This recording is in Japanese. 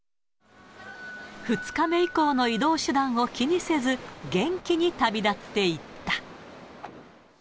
２日目以降の移動手段を気にせず、元気に旅立っていった。